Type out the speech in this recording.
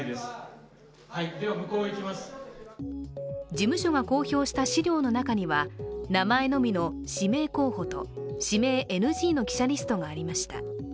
事務所が公表した資料の中には名前のみの指名候補と指名ＮＧの記者リストがありました。